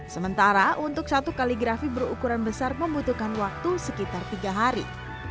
sementara untuk satu kaligrafi berukuran besar membutuhkan waktu sekitar tiga hari